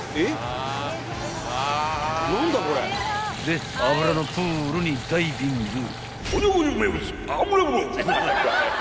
［で油のプールにダイビング］